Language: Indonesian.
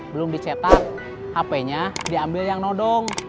belum dicetak hp nya diambil yang nodong